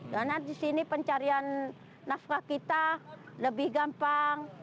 karena di sini pencarian nafkah kita lebih gampang